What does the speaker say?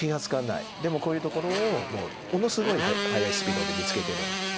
でもこういうところをもうものすごい早いスピードで見つけてるんです。